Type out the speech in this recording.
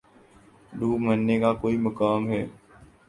دوب مرنے کا کوئی مقام ہے